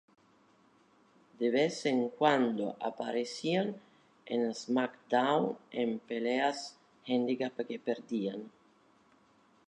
De vez en cuando aparecían en "Smackdown" en peleas Handicap que perdían.